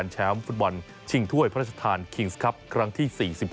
ชิงถ้วยพระราชทานคิงส์คลับครั้งที่๔๖